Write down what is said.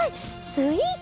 スイート？